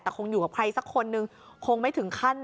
แต่คงอยู่กับใครสักคนนึงคงไม่ถึงขั้น